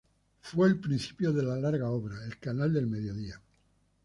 Fue el principio de la larga obra: El canal del Mediodía.